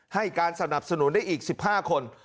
ให้การสนับสนุนได้อีก๑๕คน